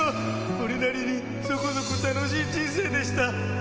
俺なりにそこそこ楽しい人生でした。